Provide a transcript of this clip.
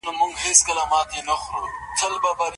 د تورو د تصویر اخیستلو وروسته د چاپ اصلي وخت معلومیږي.